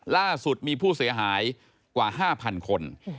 ล่าสุดมีผู้เสียหายกว่า๕๐๐๐คน